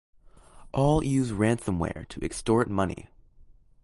All use ransomware to extort money.